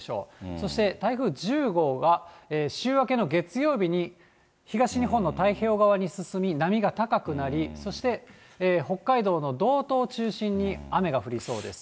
そして台風１０号が週明けの月曜日に、東日本の太平洋側に進み、波が高くなり、そして北海道の道東を中心に雨が降りそうです。